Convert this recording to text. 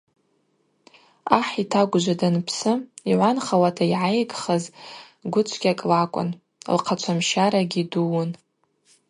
Ахӏ йтагвжва данпсы, йгӏванхауата йгӏайгхыз гӏвычвгьакӏ лакӏвын, лхъачвамщарагьи дууын.